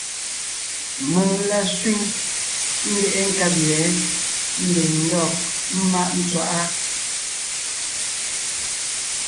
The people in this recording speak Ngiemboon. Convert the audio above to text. Mèŋ la sẅîŋ, ńdeʼe nkab yɛ̌ ḿbiŋ ńdɔg ḿmáʼ tswaʼá.